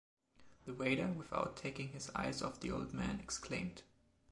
The waiter, without taking his eyes off the old man, exclaimed: